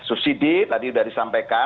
subsidi tadi sudah disampaikan